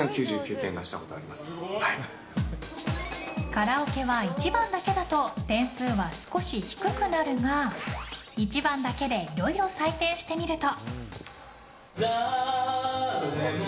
カラオケは１番だけだと点数は少し低くなるが１番だけでいろいろ採点してみると。